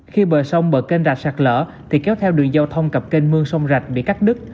khi bờ sông bờ kênh rạch sạc lỡ thì kéo theo đường giao thông cặp kênh mương sông rạch bị cắt đứt